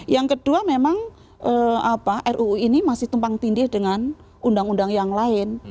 yang kedua memang ruu ini masih tumpang tindih dengan undang undang yang lain